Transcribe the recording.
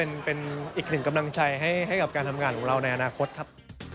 เป็นอีกหนึ่งกำลังใจให้กับการทำงานของเราในอนาคตครับ